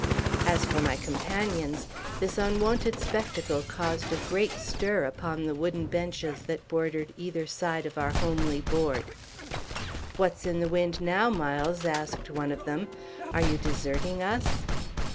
As for my companions, this unwonted spectacle caused a great stir upon the wooden benches that bordered either side of our homely board. "What's in the wind now, Miles?" asked one of them. "Are you deserting us?"